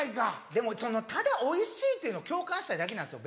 でもただおいしいっていうのを共感したいだけなんですよ。